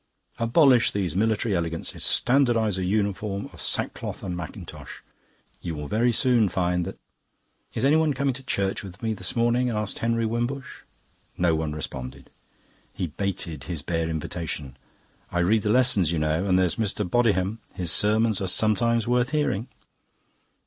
Abolish these military elegances, standardise a uniform of sack cloth and mackintosh, you will very soon find that..." "Is anyone coming to church with me this morning?" asked Henry Wimbush. No one responded. He baited his bare invitation. "I read the lessons, you know. And there's Mr. Bodiham. His sermons are sometimes worth hearing."